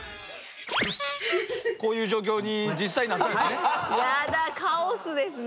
こういう状況に実際なったんやね。